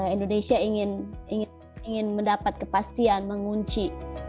indonesia ingin mendapat kepastian mengunci